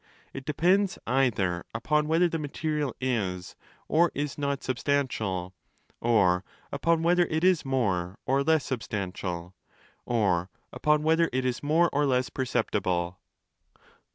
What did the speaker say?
It depends ezther upon whether the material is or is not 'substantial', or upon whether it is 319* more or less 'substantial', ov upon whether it is more or less perceptible.